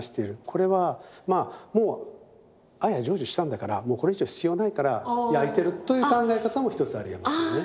これはもう愛は成就したんだからもうこれ以上必要ないから焼いてるという考え方も一つありえますよね。